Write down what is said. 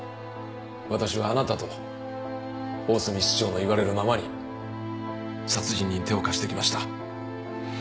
私はあなたと大隅室長の言われるままに殺人に手を貸してきました